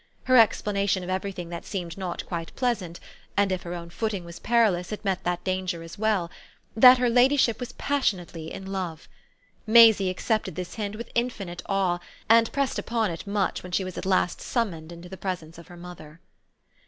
Her explanation of everything that seemed not quite pleasant and if her own footing was perilous it met that danger as well that her ladyship was passionately in love. Maisie accepted this hint with infinite awe and pressed upon it much when she was at last summoned into the presence of her mother.